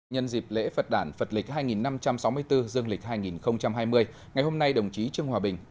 nhân dịp lễ phật đàn phật lịch hai năm trăm sáu mươi bốn dương lịch hai nghìn hai mươi ngày hôm nay đồng chí trương hòa bình